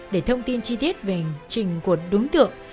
để thông tin chi tiết về hành trình của đối tượng